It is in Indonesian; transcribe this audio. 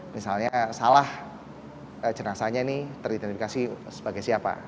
misalnya salah jenazahnya ini teridentifikasi sebagai siapa